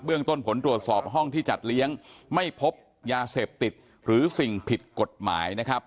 เรื่องต้นผลตรวจสอบห้องที่จัดเลี้ยงไม่พบยาเสพติดหรือสิ่งผิดกฎหมายนะครับ